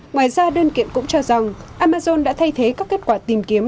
ngoài ra đơn kiện cũng cho rằng amazon đã thay thế các kết quả tìm kiếm